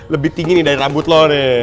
lebih tinggi nih dari rambut lo nih